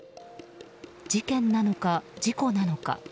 事件なのか、事故なのか。